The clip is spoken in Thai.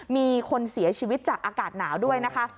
มีคนเสียชีวิตจากอากาศหนาวด้วยนะคะ